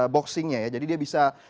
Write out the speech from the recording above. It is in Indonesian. boxingnya jadi dia bisa